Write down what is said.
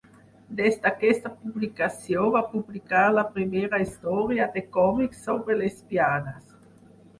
Des d'aquesta publicació va publicar la primera història de còmics sobre lesbianes.